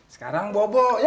sekarang bobo ya